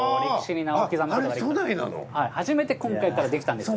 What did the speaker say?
はい初めて今回からできたんです